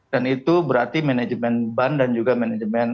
dan itu berarti manajemen ban dan juga manajemen